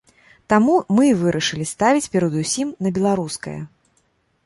Таму мы і вырашылі ставіць перадусім на беларускае.